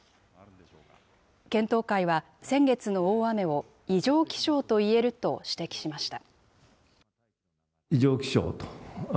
検討会は、先月の大雨を異常気象といえると指摘しました。